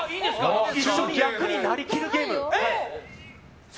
一緒に役になりきるゲーム。